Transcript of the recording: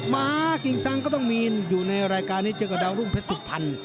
มากิ่งซังก็ต้องมีอยู่ในรายการนี้เจอกับดาวรุ่งเพชรสุพรรณ